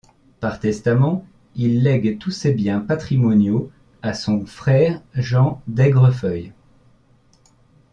Par testament, il lègue tous ses biens patrimoniaux à son frère Jean d’Aigrefeuille.